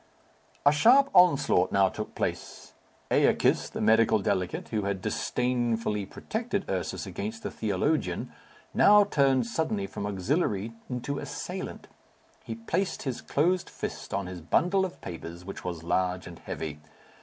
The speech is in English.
A sharp onslaught now took place. Æacus, the medical delegate, who had disdainfully protected Ursus against the theologian, now turned suddenly from auxiliary into assailant. He placed his closed fist on his bundle of papers, which was large and heavy.